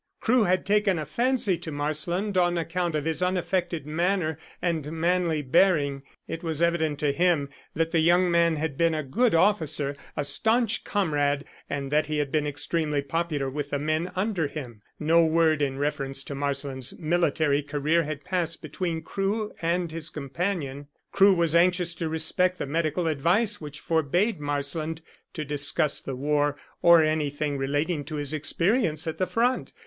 Crewe had taken a fancy to Marsland on account of his unaffected manner and manly bearing. It was evident to him that the young man had been a good officer, a staunch comrade, and that he had been extremely popular with the men under him. No word in reference to Marsland's military career had passed between Crewe and his companion. Crewe was anxious to respect the medical advice which forbade Marsland to discuss the war or anything relating to his experience at the front.